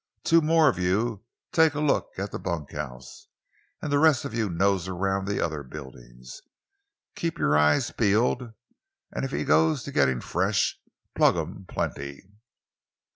Two more of you take a look at the bunkhouse—and the rest of you nose around the other buildin's. Keep your eyes peeled, an' if he goes to gettin' fresh, plug him plenty!"